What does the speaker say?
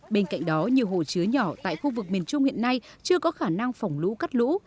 bên cạnh đó nhiều hồ chứa nhỏ tại khu vực miền trung hiện nay chưa có khả năng phỏng lũ cắt lũ